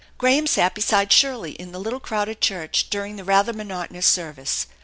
Graham sat beside Shirley in the little crowded church during the rather monotonous service.